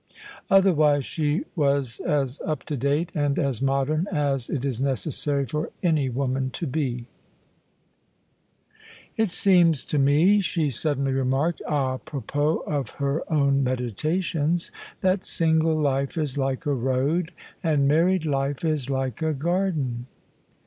Otherwise she was as up to date and as modem as it is necessary for any woman to be. OF ISABEL CARNABY " It seems to me," she suddenly remarked i propos of her own meditations, that single life is like a road, and married life is like a garden."